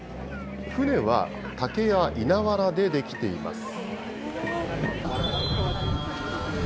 船は、竹や稲わらで出来ています。